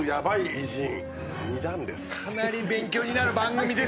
かなり勉強になる番組ですね。